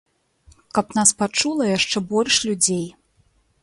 Каб нас пачула яшчэ больш людзей!